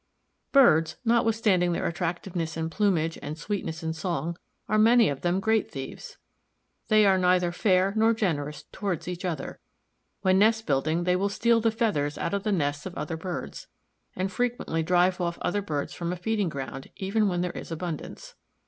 Birds, notwithstanding their attractiveness in plumage and sweetness in song, are many of them great thieves. They are neither fair nor generous towards each other. When nest building they will steal the feathers out of the nests of other birds, and frequently drive off other birds from a feeding ground even when there is abundance.